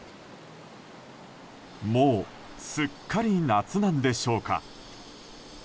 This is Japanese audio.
もうすっかり夏なんでしょうか。